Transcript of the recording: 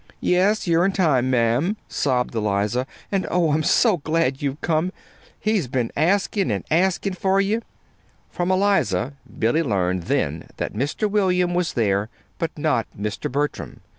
"Yes, you're in time, ma'am," sobbed Eliza; "and, oh, I'm so glad you've come. He's been askin' and askin' for ye." From Eliza Billy learned then that Mr. William was there, but not Mr. Bertram.